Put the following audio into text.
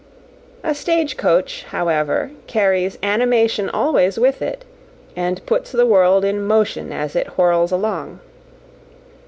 A stage coach, however, carries animation always with it, and puts the world in motion as it whirls along.